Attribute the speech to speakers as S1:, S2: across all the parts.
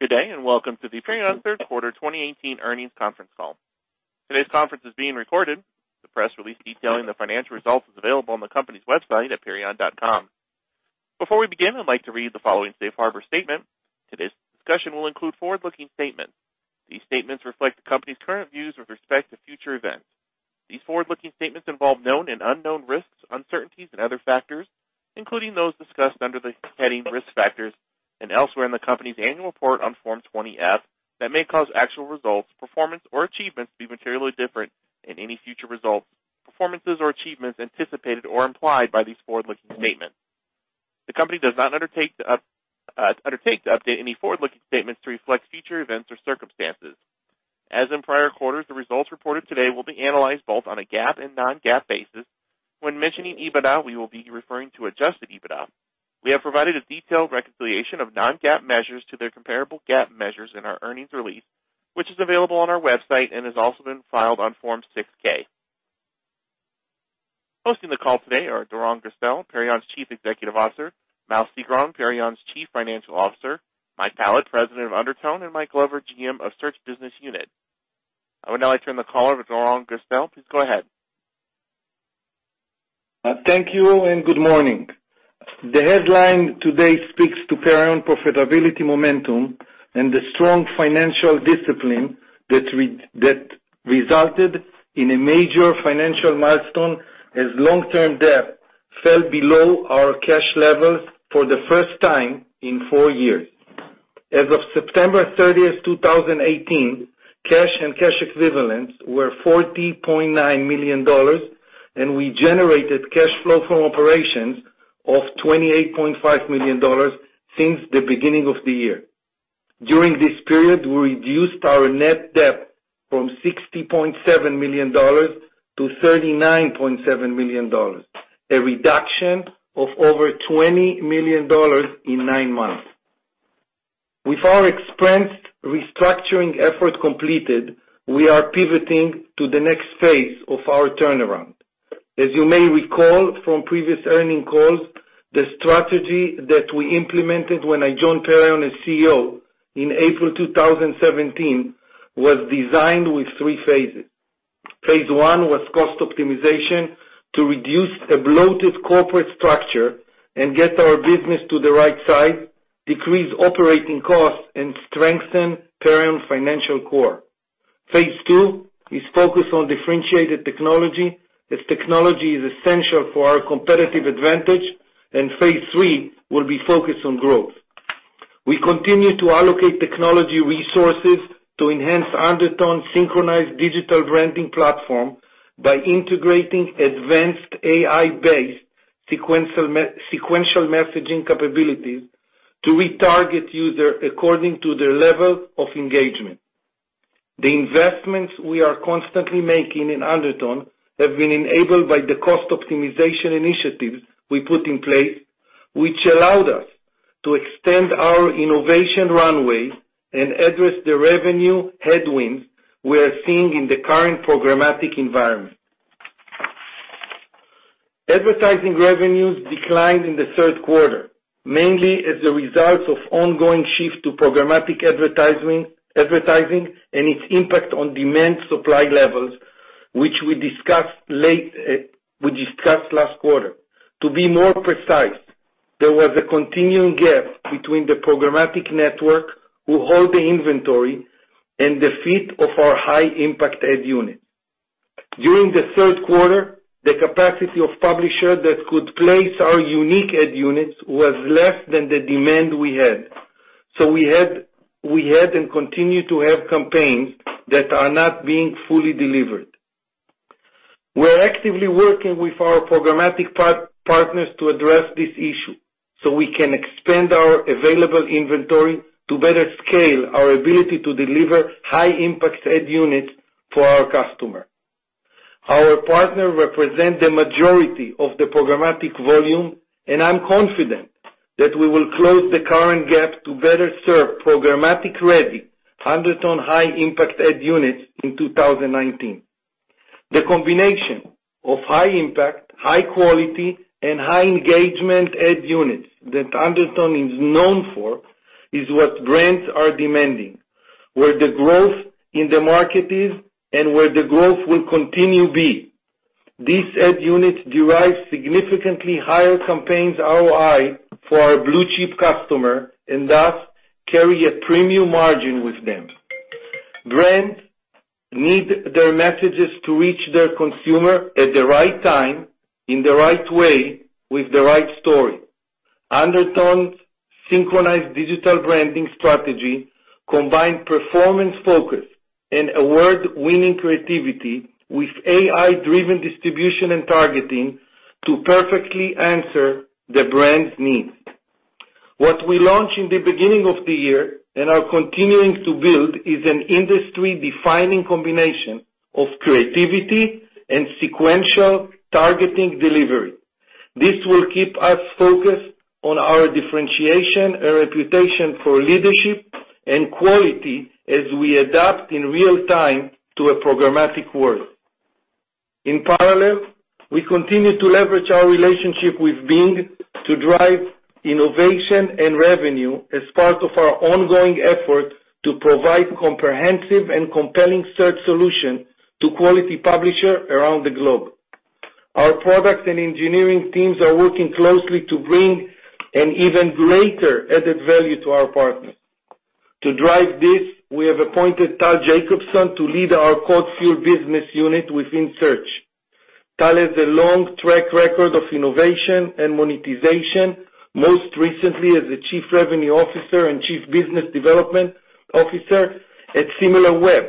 S1: Good day, and welcome to the Perion third quarter 2018 earnings conference call. Today's conference is being recorded. The press release detailing the financial results is available on the company's website at perion.com. Before we begin, I'd like to read the following safe harbor statement. Today's discussion will include forward-looking statements. These statements reflect the company's current views with respect to future events. These forward-looking statements involve known and unknown risks, uncertainties, and other factors, including those discussed under the heading Risk Factors and elsewhere in the company's annual report on Form 20-F that may cause actual results, performance, or achievements to be materially different in any future results, performances or achievements anticipated or implied by these forward-looking statements. The company does not undertake to update any forward-looking statements to reflect future events or circumstances. As in prior quarters, the results reported today will be analyzed both on a GAAP and non-GAAP basis. When mentioning EBITDA, we will be referring to adjusted EBITDA. We have provided a detailed reconciliation of non-GAAP measures to their comparable GAAP measures in our earnings release, which is available on our website and has also been filed on Form 6-K. Hosting the call today are Doron Gerstel, Perion's Chief Executive Officer, Maoz Sigron, Perion's Chief Financial Officer, Mike Pallad, President of Undertone, and Mike Glover, GM of Search Business Unit. I would now like to turn the call over to Doron Gerstel. Please go ahead.
S2: Thank you, and good morning. The headline today speaks to Perion profitability momentum and the strong financial discipline that resulted in a major financial milestone as long-term debt fell below our cash levels for the first time in four years. As of September 30th, 2018, cash and cash equivalents were $40.9 million, and we generated cash flow from operations of $28.5 million since the beginning of the year. During this period, we reduced our net debt from $60.7 million to $39.7 million, a reduction of over $20 million in nine months. With our expense restructuring effort completed, we are pivoting to the next phase of our turnaround. As you may recall from previous earning calls, the strategy that we implemented when I joined Perion as CEO in April 2017, was designed with three phases. Phase one was cost optimization to reduce a bloated corporate structure and get our business to the right size, decrease operating costs, and strengthen Perion's financial core. Phase two is focused on differentiated technology, as technology is essential for our competitive advantage, and phase three will be focused on growth. We continue to allocate technology resources to enhance Undertone Synchronized Digital Branding platform by integrating advanced AI-based sequential messaging capabilities to retarget user according to their level of engagement. The investments we are constantly making in Undertone have been enabled by the cost optimization initiatives we put in place, which allowed us to extend our innovation runways and address the revenue headwinds we are seeing in the current programmatic environment. Advertising revenues declined in the third quarter, mainly as a result of ongoing shift to programmatic advertising and its impact on demand supply levels, which we discussed last quarter. To be more precise, there was a continuing gap between the programmatic network who hold the inventory and the feed of our high-impact ad unit. During the third quarter, the capacity of publisher that could place our unique ad units was less than the demand we had. We had and continue to have campaigns that are not being fully delivered. We are actively working with our programmatic partners to address this issue so we can expand our available inventory to better scale our ability to deliver high-impact ad units for our customer. Our partner represent the majority of the programmatic volume, and I am confident that we will close the current gap to better serve programmatic-ready Undertone high-impact ad units in 2019. The combination of high impact, high quality, and high engagement ad units that Undertone is known for is what brands are demanding, where the growth in the market is and where the growth will continue be. These ad units derive significantly higher campaigns ROI for our blue-chip customer and thus carry a premium margin with them. Brands need their messages to reach their consumer at the right time, in the right way, with the right story. Undertone's Synchronized Digital Branding strategy combine performance focus and award-winning creativity with AI-driven distribution and targeting to perfectly answer the brand's needs. What we launched in the beginning of the year and are continuing to build is an industry-defining combination of creativity and sequential targeting delivery. This will keep us focused on our differentiation and reputation for leadership and quality as we adapt in real time to a programmatic world. In parallel, we continue to leverage our relationship with Bing to drive innovation and revenue as part of our ongoing effort to provide comprehensive and compelling search solution to quality publisher around the globe. Our products and engineering teams are working closely to bring an even greater added value to our partners. To drive this, we have appointed Tal Jacobson to lead our CodeFuel business unit within search. Tal has a long track record of innovation and monetization, most recently as the Chief Revenue Officer and Chief Business Development Officer at Similarweb.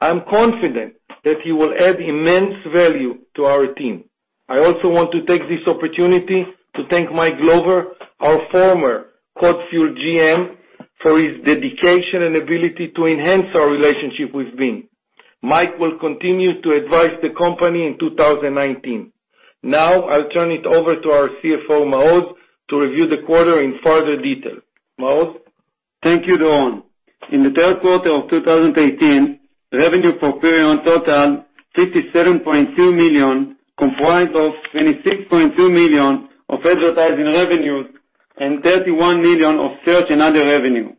S2: I am confident that he will add immense value to our team. I also want to take this opportunity to thank Mike Glover, our former CodeFuel GM, for his dedication and ability to enhance our relationship with Bing. Mike will continue to advise the company in 2019. I will turn it over to our CFO, Maoz, to review the quarter in further detail. Maoz?
S3: Thank you, Doron. In the third quarter of 2018, revenue for Perion total, $57.2 million, comprised of $26.2 million of advertising revenues and $31 million of search and other revenue.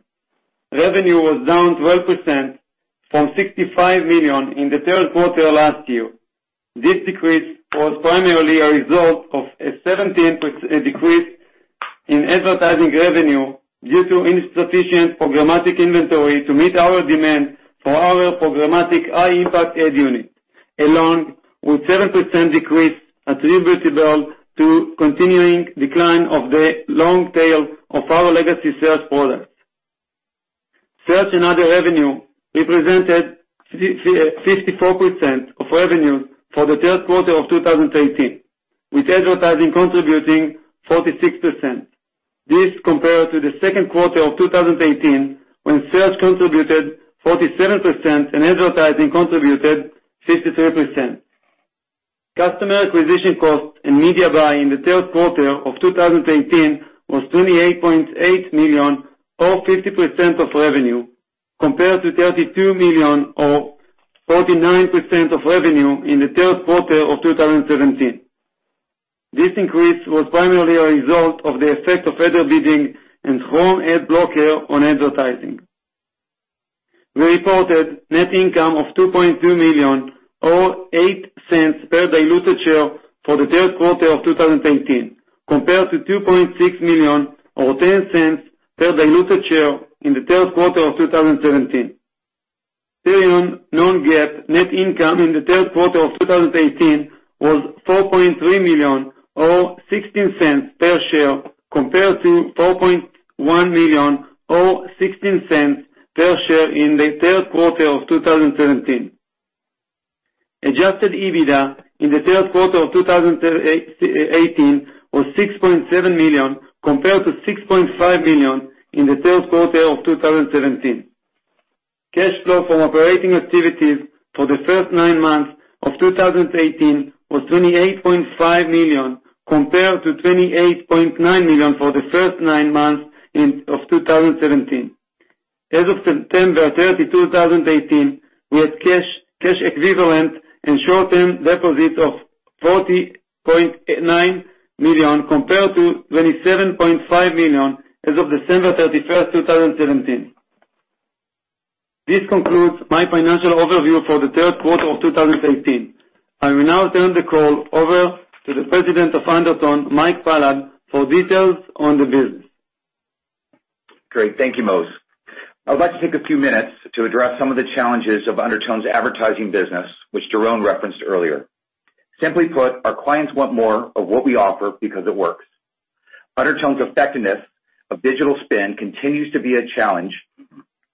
S3: Revenue was down 12% from $65 million in the third quarter last year. This decrease was primarily a result of a 17% decrease in advertising revenue due to insufficient programmatic inventory to meet our demand for our programmatic high-impact ad unit, along with 7% decrease attributable to continuing decline of the long tail of our legacy sales products. Search and other revenue represented 54% of revenue for the third quarter of 2018, with advertising contributing 46%. This compared to the second quarter of 2018, when search contributed 47% and advertising contributed 53%. Customer acquisition cost in media buying in the third quarter of 2018 was $28.8 million, or 50% of revenue, compared to $32 million, or 49% of revenue in the third quarter of 2017. This increase was primarily a result of the effect of header bidding and Chrome ad blocker on advertising. We reported net income of $2.2 million or $0.08 per diluted share for the third quarter of 2018, compared to $2.6 million or $0.10 per diluted share in the third quarter of 2017. Perion non-GAAP net income in the third quarter of 2018 was $4.3 million or $0.16 per share, compared to $4.1 million or $0.16 per share in the third quarter of 2017. Adjusted EBITDA in the third quarter of 2018 was $6.7 million, compared to $6.5 million in the third quarter of 2017. Cash flow from operating activities for the first nine months of 2018 was $28.5 million, compared to $28.9 million for the first nine months of 2017. As of September 30, 2018, we had cash equivalent and short-term deposits of $40.9 million compared to $27.5 million as of December 31st, 2017. This concludes my financial overview for the third quarter of 2018. I will now turn the call over to the President of Undertone, Mike Pallad, for details on the business.
S4: Great. Thank you, Maoz. I would like to take a few minutes to address some of the challenges of Undertone's advertising business, which Doron referenced earlier. Simply put, our clients want more of what we offer because it works. Undertone's effectiveness of digital spin continues to be a challenge,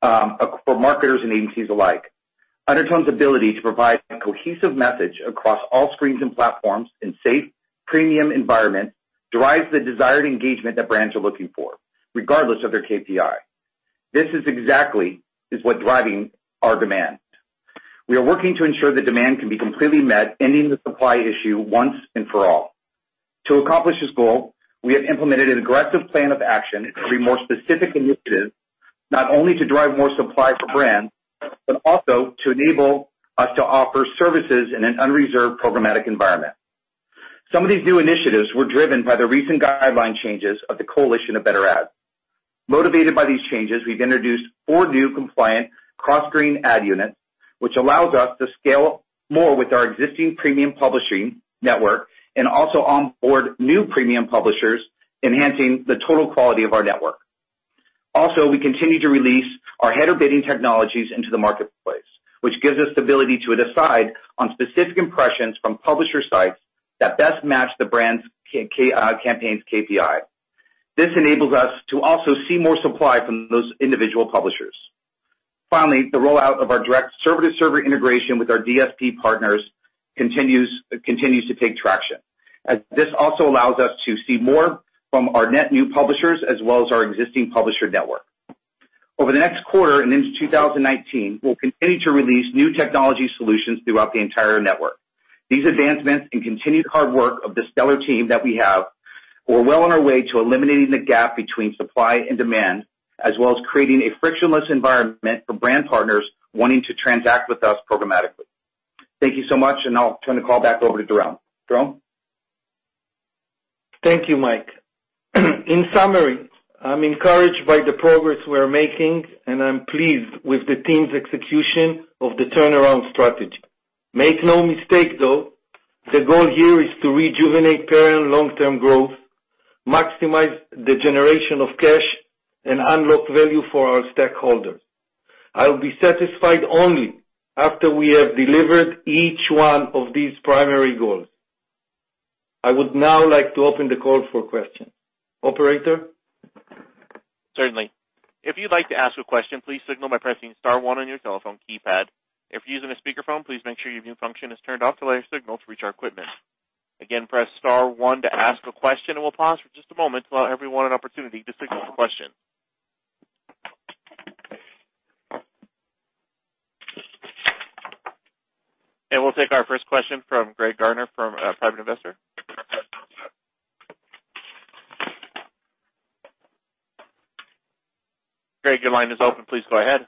S4: for marketers and agencies alike. Undertone's ability to provide a cohesive message across all screens and platforms in safe, premium environment drives the desired engagement that brands are looking for, regardless of their KPI. This is exactly is what driving our demand. We are working to ensure the demand can be completely met, ending the supply issue once and for all. To accomplish this goal, we have implemented an aggressive plan of action, three more specific initiatives, not only to drive more supply for brands, but also to enable us to offer services in an unreserved programmatic environment. Some of these new initiatives were driven by the recent guideline changes of the Coalition for Better Ads. Motivated by these changes, we've introduced four new compliant cross-screen ad units, which allows us to scale more with our existing premium publishing network and also onboard new premium publishers, enhancing the total quality of our network. We continue to release our header bidding technologies into the marketplace, which gives us the ability to decide on specific impressions from publisher sites that best match the brand's campaign's KPI. This enables us to also see more supply from those individual publishers. Finally, the rollout of our direct server-to-server integration with our DSP partners continues to take traction. This also allows us to see more from our net new publishers, as well as our existing publisher network. Over the next quarter and into 2019, we'll continue to release new technology solutions throughout the entire network. These advancements and continued hard work of the stellar team that we have We're well on our way to eliminating the gap between supply and demand, as well as creating a frictionless environment for brand partners wanting to transact with us programmatically. Thank you so much, and I'll turn the call back over to Doron. Doron?
S2: Thank you, Mike. In summary, I'm encouraged by the progress we are making, and I'm pleased with the team's execution of the turnaround strategy. Make no mistake, though, the goal here is to rejuvenate Perion long-term growth, maximize the generation of cash, and unlock value for our stakeholders. I'll be satisfied only after we have delivered each one of these primary goals. I would now like to open the call for questions. Operator?
S1: Certainly. If you'd like to ask a question, please signal by pressing star one on your telephone keypad. If you're using a speakerphone, please make sure your mute function is turned off to allow your signal to reach our equipment. Again, press star one to ask a question. We'll pause for just a moment to allow everyone an opportunity to signal a question. We'll take our first question from Greg Gardner, from Private Investor. Greg, your line is open. Please go ahead.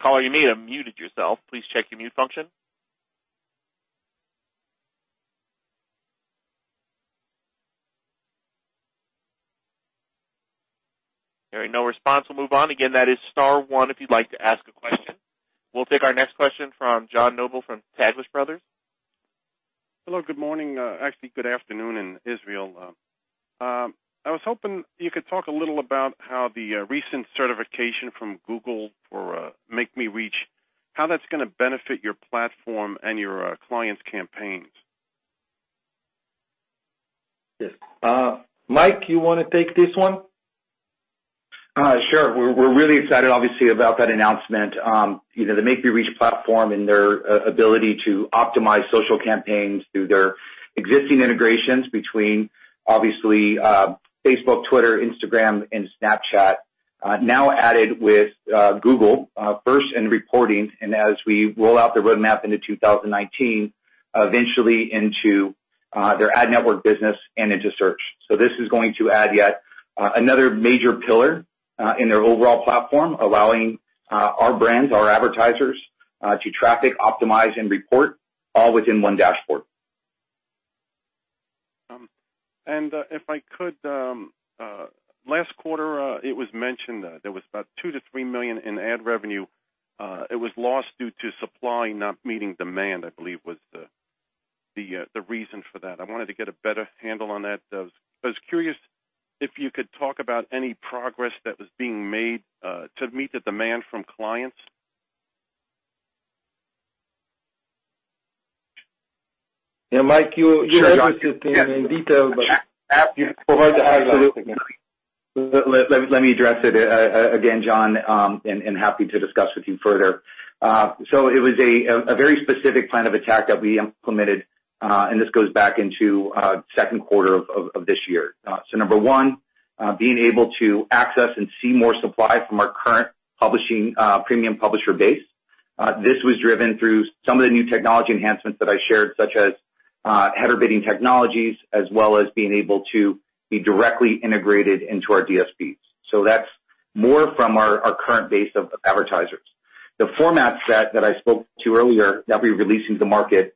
S1: Caller, you may have muted yourself. Please check your mute function. Hearing no response, we'll move on. Again, that is star one if you'd like to ask a question. We'll take our next question from John Noble from Taglich Brothers.
S5: Hello. Good morning. Actually, good afternoon in Israel. I was hoping you could talk a little about how the recent certification from Google for MakeMeReach, how that's going to benefit your platform and your clients' campaigns.
S2: Yes. Mike, you want to take this one?
S4: Sure. We're really excited obviously about that announcement. The MakeMeReach platform and their ability to optimize social campaigns through their existing integrations between obviously Facebook, Twitter, Instagram, and Snapchat, now added with Google, first in reporting, and as we roll out the roadmap into 2019, eventually into their ad network business and into search. This is going to add yet another major pillar in their overall platform, allowing our brands, our advertisers, to traffic, optimize, and report all within one dashboard.
S5: If I could, last quarter, it was mentioned that there was about $2 million-$3 million in ad revenue. It was lost due to supply not meeting demand, I believe was the reason for that. I wanted to get a better handle on that. I was curious if you could talk about any progress that was being made to meet the demand from clients.
S2: Yeah, Mike, you addressed it in detail, happy to go ahead.
S4: Let me address it again, John, happy to discuss with you further. It was a very specific plan of attack that we implemented, and this goes back into second quarter of this year. Number one, being able to access and see more supply from our current premium publisher base. This was driven through some of the new technology enhancements that I shared, such as header bidding technologies, as well as being able to be directly integrated into our DSPs. That's more from our current base of advertisers. The format set that I spoke to earlier that we released into the market,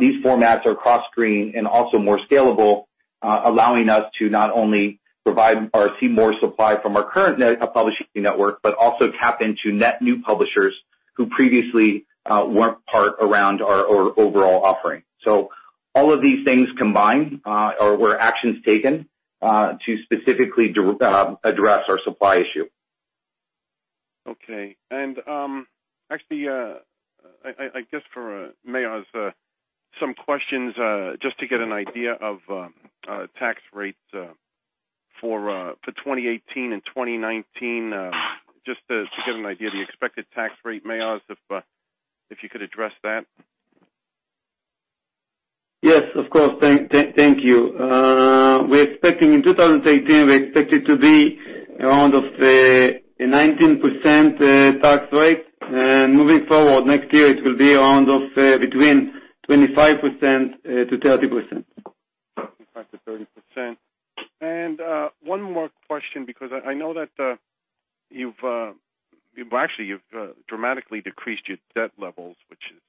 S4: these formats are cross-screen and also more scalable, allowing us to not only provide or see more supply from our current publishing network, but also tap into net new publishers who previously weren't part around our overall offering. All of these things combined were actions taken to specifically address our supply issue.
S5: Okay. Actually, I guess for Maoz, some questions just to get an idea of tax rates for 2018 and 2019, just to get an idea of the expected tax rate, Maoz, if you could address that.
S3: Yes, of course. Thank you. In 2018, we expected to be around a 19% tax rate. Moving forward next year, it will be around between 25%-30%.
S5: 25%-30%. One more question, because I know that you've dramatically decreased your debt levels, which is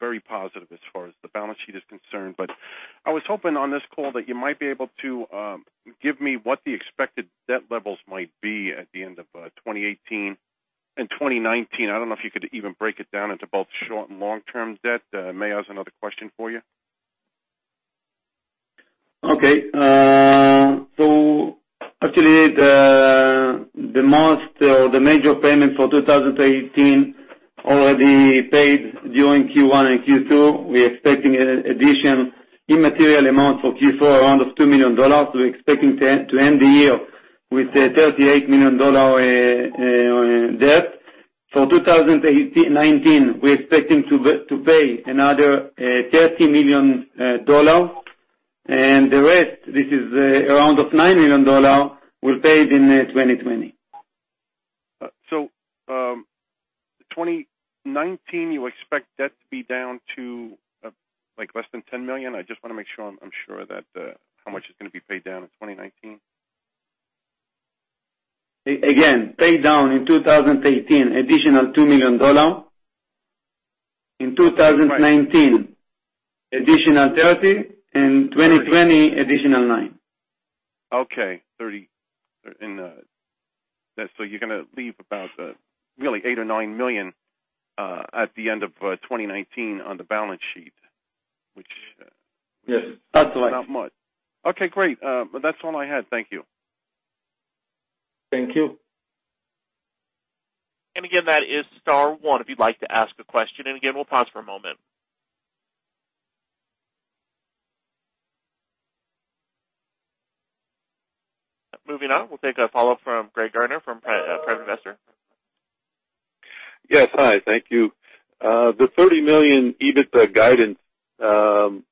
S5: very positive as far as the balance sheet is concerned. I was hoping on this call that you might be able to give me what the expected debt levels might be at the end of 2018 and 2019. I don't know if you could even break it down into both short- and long-term debt. Maoz, another question for you.
S3: Okay. Actually, the major payment for 2018 already paid during Q1 and Q2. We're expecting an addition immaterial amount for Q4 around $2 million. We're expecting to end the year with a $38 million debt. For 2019, we're expecting to pay another $30 million, and the rest, this is around $9 million, we'll pay it in 2020.
S5: 2019, you expect debt to be down to less than $10 million? I just want to make sure I'm sure how much is going to be paid down in 2019.
S3: Again, pay down in 2018, additional $2 million. In 2019, additional $30 million, in 2020, additional $9 million.
S5: You're going to leave about really $8 million or $9 million at the end of 2019 on the balance sheet.
S3: Yes, that's right.
S5: not much. Okay, great. That's all I had. Thank you.
S2: Thank you.
S1: Again, that is star one if you'd like to ask a question, and again, we'll pause for a moment. Moving on, we'll take a follow-up from Greg Gardner from Private Investor. Yes. Hi, thank you. The $30 million EBITDA guidance, $20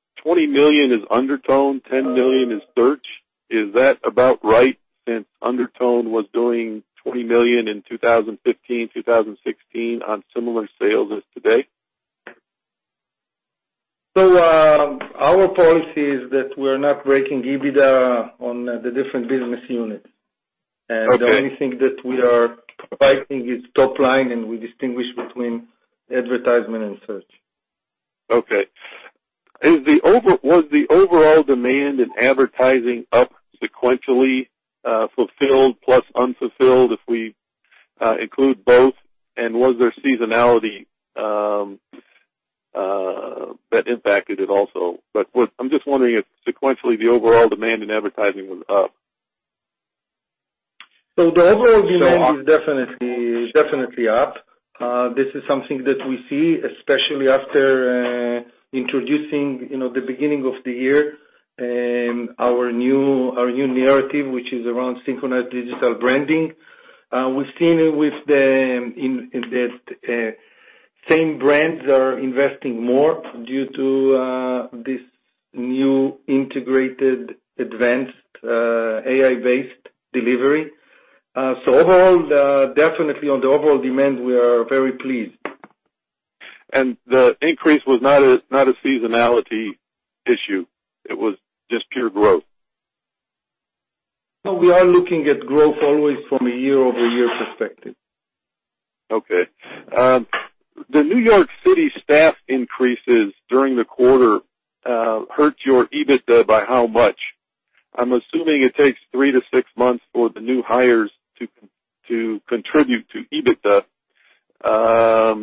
S1: million is Undertone, $10 million is Search. Is that about right since Undertone was doing $20 million in 2015, 2016 on similar sales as today?
S2: Our policy is that we're not breaking EBITDA on the different business units. Okay. The only thing that we are providing is top line, and we distinguish between advertisement and search. Okay. Was the overall demand in advertising up sequentially, fulfilled plus unfulfilled, if we include both? Was there seasonality that impacted it also? I'm just wondering if sequentially, the overall demand in advertising was up. The overall demand is definitely up. This is something that we see, especially after introducing, the beginning of the year, our new narrative, which is around Synchronized Digital Branding. We've seen it with the same brands are investing more due to this new integrated, advanced, AI-based delivery. Overall, definitely on the overall demand, we are very pleased. The increase was not a seasonality issue. It was just pure growth. No, we are looking at growth always from a year-over-year perspective. Okay. The New York City staff increases during the quarter hurt your EBITDA by how much? I'm assuming it takes three to six months for the new hires to contribute to EBITDA. I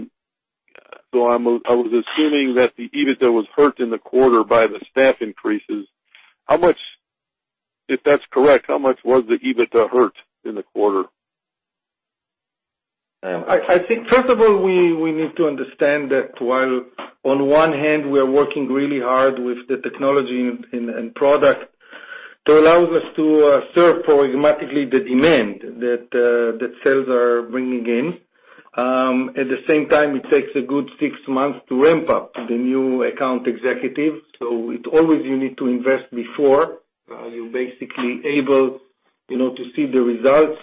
S2: was assuming that the EBITDA was hurt in the quarter by the staff increases. If that's correct, how much was the EBITDA hurt in the quarter? I think, first of all, we need to understand that while on one hand, we are working really hard with the technology and product to allow us to serve programmatically the demand that sales are bringing in. At the same time, it takes a good six months to ramp up the new account executive. Always you need to invest before you basically able to see the results.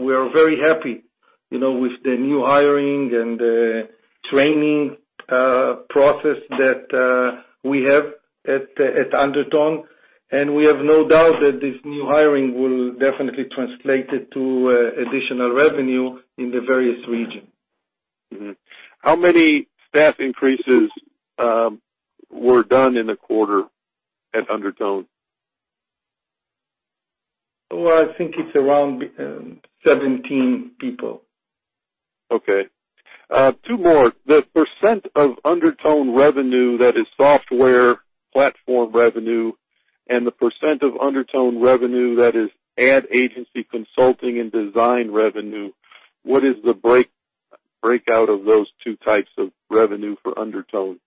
S2: We are very happy with the new hiring and the training process that we have at Undertone, and we have no doubt that this new hiring will definitely translate it to additional revenue in the various region. Mm-hmm. How many staff increases were done in the quarter at Undertone? Well, I think it's around 17 people. Okay. Two more. The % of Undertone revenue that is software platform revenue and the % of Undertone revenue that is ad agency consulting and design revenue, what is the breakout of those two types of revenue for Undertone?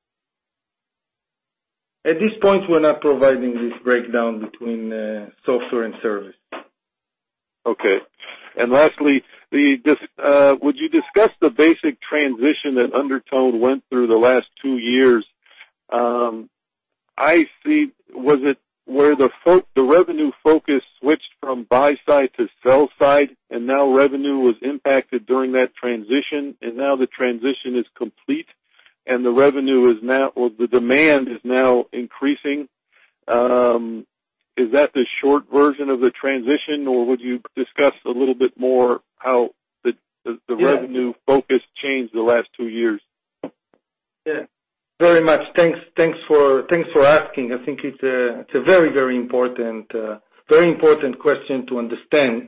S2: At this point, we're not providing this breakdown between software and service. Okay. Lastly, would you discuss the basic transition that Undertone went through the last two years? Where the revenue focus switched from buy side to sell side, Revenue was impacted during that transition, The transition is complete, The demand is now increasing. Is that the short version of the transition, Would you discuss a little bit more how the- Yes revenue focus changed the last two years? Yeah. Very much. Thanks for asking. I think it's a very important question to understand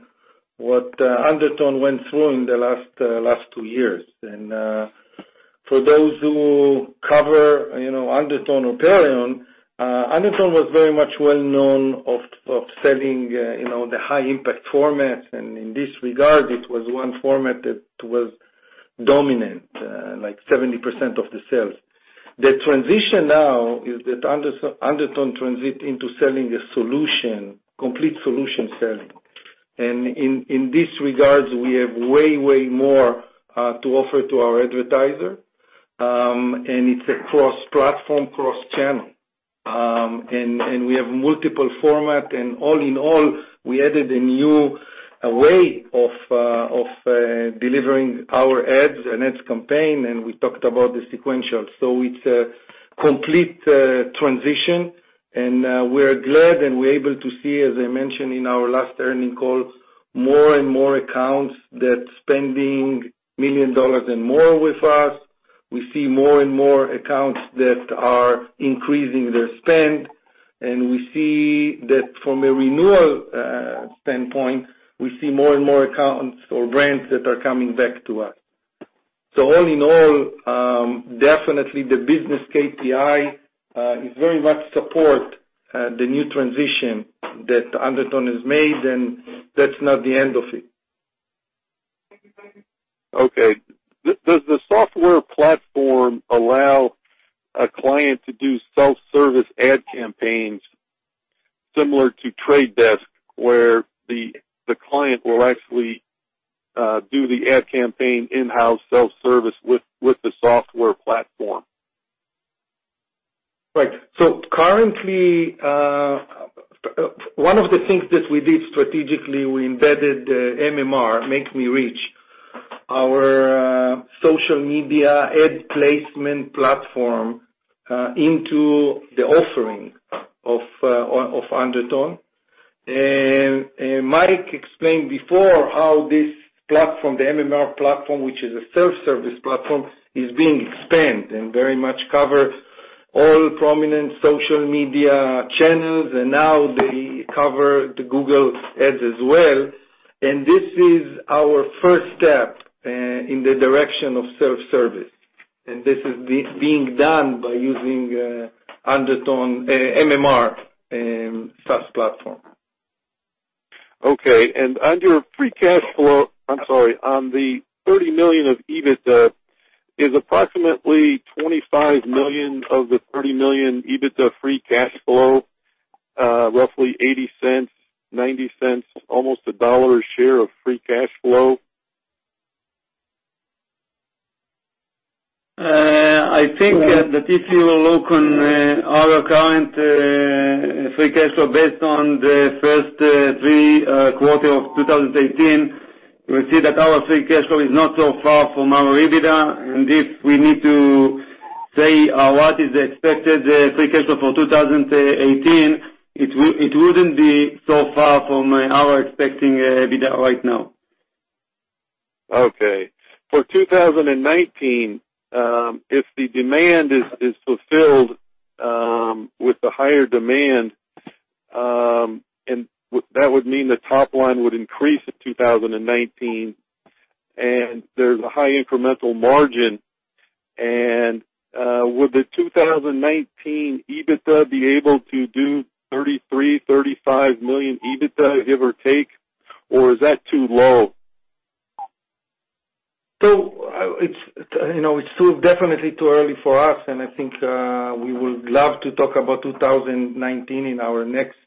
S2: what Undertone went through in the last two years. For those who cover Undertone or Perion, Undertone was very much well-known of selling the high-impact format, In this regard, it was one format that was dominant, like 70% of the sales. The transition now is that Undertone transit into selling a solution, complete solution selling. In this regards, we have way more to offer to our advertiser, It's across platform, cross-channel. We have multiple format, All in all, we added a new way of delivering our ads and ads campaign, We talked about the sequential. It's a complete transition, We're glad and we're able to see, as I mentioned in our last earning call, more and more accounts that spending million dollars and more with us. We see more and more accounts that are increasing their spend. From a renewal standpoint, we see more and more accounts or brands that are coming back to us. All in all, definitely the business KPI is very much support the new transition that Undertone has made, That's not the end of it. Okay. Does the software platform allow a client to do self-service ad campaigns similar to The Trade Desk, where the client will actually do the ad campaign in-house self-service with the software platform? Right. Currently, one of the things that we did strategically, we embedded MMR, MakeMeReach, our social media ad placement platform, into the offering of Undertone. Mike explained before how this platform, the MMR platform, which is a self-service platform, is being expanded and very much covers all prominent social media channels, now they cover the Google Ads as well. This is our first step in the direction of self-service, and this is being done by using MMR SaaS platform. Okay. I'm sorry. On the $30 million of EBITDA, is approximately $25 million of the $30 million EBITDA free cash flow, roughly $0.80, $0.90, almost $1.00 a share of free cash flow? I think that if you will look on our current free cash flow based on the first three quarter of 2018, you will see that our free cash flow is not so far from our EBITDA. If we need to say what is the expected free cash flow for 2018, it wouldn't be so far from our expecting EBITDA right now. Okay. For 2019, if the demand is fulfilled with the higher demand, that would mean the top line would increase in 2019, there's a high incremental margin. Would the 2019 EBITDA be able to do $33 million-$35 million EBITDA, give or take, or is that too low? It's definitely too early for us, I think we would love to talk about 2019 in our next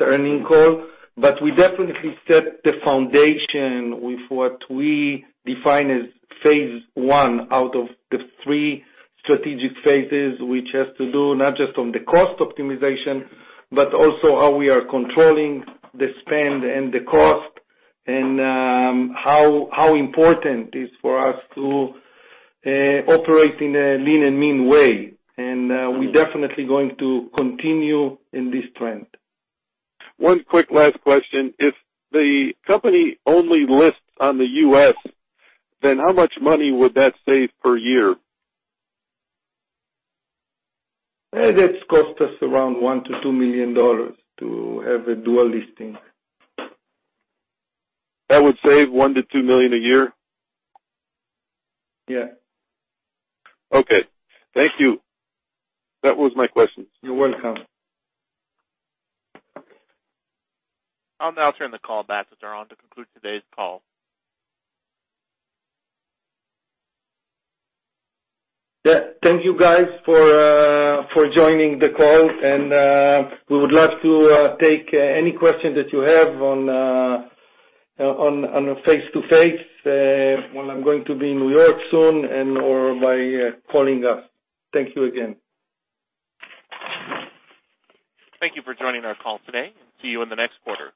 S2: earning call. We definitely set the foundation with what we define as phase 1 out of the three strategic phases, which has to do not just on the cost optimization, but also how we are controlling the spend and the cost, how important it's for us to operate in a lean and mean way. We definitely going to continue in this trend. One quick last question. If the company only lists on the U.S., how much money would that save per year? That cost us around $1 million-$2 million to have a dual listing. That would save $1 million-$2 million a year? Yeah. Okay. Thank you. That was my questions. You're welcome.
S1: I'll now turn the call back to Doron to conclude today's call.
S2: Yeah. Thank you guys for joining the call, and we would love to take any question that you have on a face-to-face when I'm going to be in New York soon and/or by calling us. Thank you again.
S1: Thank you for joining our call today, and see you in the next quarter.